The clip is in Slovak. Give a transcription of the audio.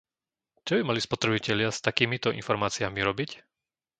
Čo by mali spotrebitelia s takýmito informáciami robiť?